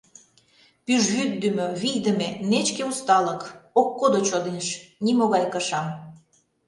Пӱжвӱддымӧ, вийдыме, нечке усталык Ок кодо чонеш нимогай кышам.